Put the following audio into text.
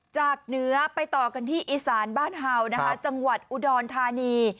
จากแนวไปต่อกันที่อิษริย์บ้านเฮาส์จังหวัดอุดอนธานี